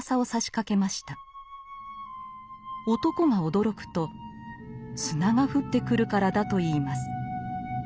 男が驚くと砂が降ってくるからだといいます。